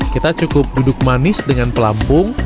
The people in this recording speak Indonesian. kita cukup duduk manis dengan pelampung